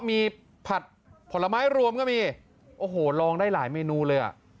มีผัดผลไม้รวมก็มีโอ้โหลองได้หลายเมนูเลยอ่ะ